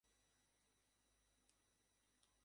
কাছেই দেখুন ভাগবৎভবন।